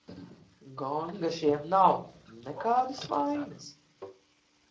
Gonga šiem nav, nekādas vainas.